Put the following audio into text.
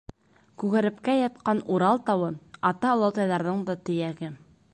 Күгәрепкәй ятҡан Урал тауы Ата-олатайҙарҙың да төйәге.